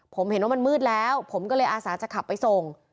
ผมเห็นว่ามันมืดแล้วผมก็เลยอาสาจะขับไปส่ง